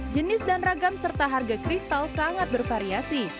jenis dan ragam serta harga kristal sangat bervariasi